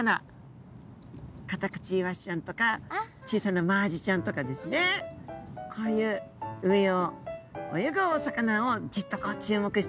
カタクチイワシちゃんとか小さなマアジちゃんとかですねこういう上を泳ぐお魚をジッとこう注目してるんですね。